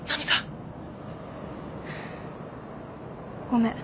ごめん。